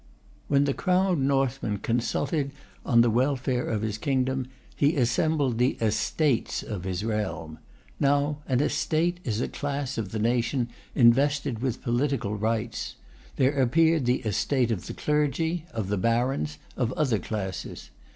When the crowned Northman consulted on the welfare of his kingdom, he assembled the ESTATES of his realm. Now an estate is a class of the nation invested with political rights. There appeared the estate of the clergy, of the barons, of other classes.